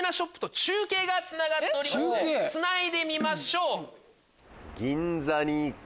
つないでみましょう！